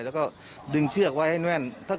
แล้วก็ดึงเชือกไว้ให้แน่น